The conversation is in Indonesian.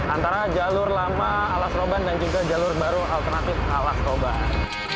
antara jalur lama ala seroban dan juga jalur baru alternatif ala seroban